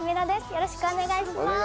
よろしくお願いします。